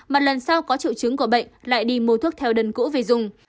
mà lần sau có triệu chứng của bệnh lại đi mua thuốc theo đơn cũ về dùng